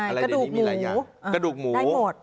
อะไรใดนี้มีหลายอย่างได้หมดกระดูกหมู